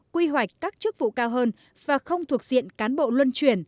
quy hoạch các chức vụ cao hơn và không thuộc diện cán bộ luân chuyển